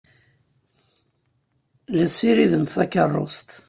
La ssirident takeṛṛust.